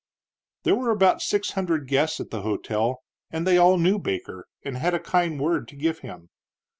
There were six hundred guests at the hotel, and they all knew Baker and had a kind word to give him.